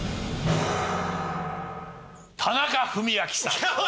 田中史朗さん。